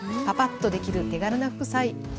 パパッとできる手軽な副菜